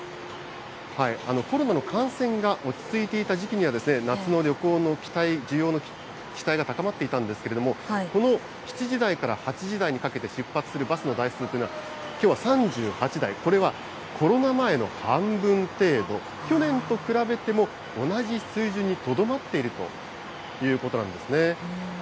コロナの感染が落ち着いていた時期には、夏の旅行の期待、需要の期待が高まっていたんですけれども、この７時台から８時台にかけて出発するバスの台数というのは、きょうは３８台、これはコロナ前の半分程度、去年と比べても同じ水準にとどまっているということなんですね。